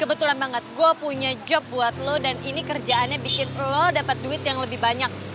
kebetulan banget gue punya job buat lo dan ini kerjaannya bikin lo dapat duit yang lebih banyak